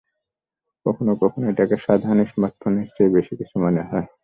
কখনও কখনও এটাকে সাধারণ স্মার্ট ফোনের চেয়ে বেশি কিছু মনে হয়।